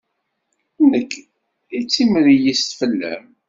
Nekk i d timreyyest fell-am.